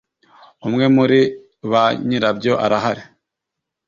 Umwe muri ba nyirabyo arahari.